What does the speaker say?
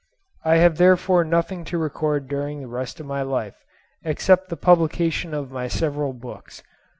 I have therefore nothing to record during the rest of my life, except the publication of my several books.